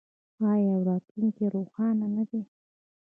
آیا او راتلونکی یې روښانه نه دی؟